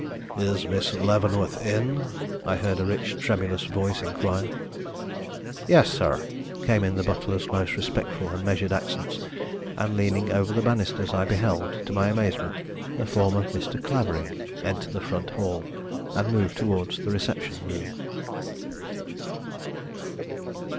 "Is Miss Leavenworth in?" I heard a rich, tremulous voice inquire. "Yes, sir," came in the butler's most respectful and measured accents, and, leaning over the banisters I beheld, to my amazement, the form of Mr. Clavering enter the front hall and move towards the reception room.